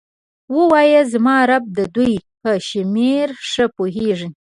ووایه زما رب د دوی په شمیر ښه پوهیږي.